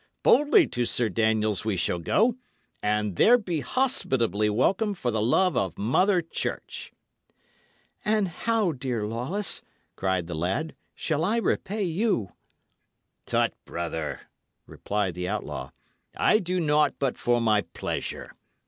Boldly to Sir Daniel's we shall go, and there be hospitably welcome for the love of Mother Church." "And how, dear Lawless," cried the lad, "shall I repay you?" "Tut, brother," replied the outlaw, "I do naught but for my pleasure.